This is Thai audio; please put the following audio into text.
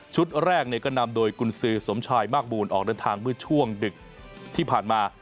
แรกก็นำโดยกุญสือสมชายมากบูลออกเดินทางเมื่อช่วงดึกที่ผ่านมา